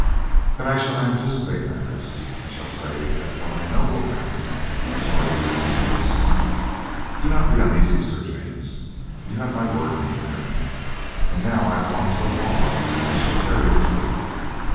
"Then I shall anticipate matters, and shall say that what I know will happen has already taken place. Do not be uneasy, Sir James. You have my word in the matter, and now I have gone so far I shall carry it through.